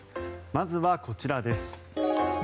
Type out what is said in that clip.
まずはこちらです。